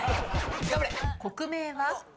国名は？